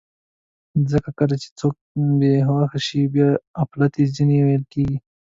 ځکه کله چې څوک بېهوښه شي، بیا اپلتې ځینې ویل کېږي.